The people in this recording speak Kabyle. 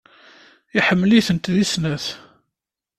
Iḥemmel-itent deg snat.